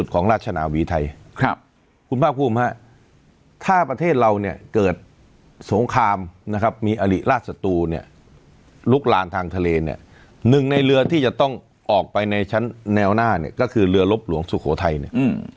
ของราชนาวีไทยครับคุณภาคภูมิฮะถ้าประเทศเราเนี่ยเกิดสงครามนะครับมีอลิราชสตูเนี่ยลุกลานทางทะเลเนี่ยหนึ่งในเรือที่จะต้องออกไปในชั้นแนวหน้าเนี่ยก็คือเรือลบหลวงสุโขทัยเนี่ย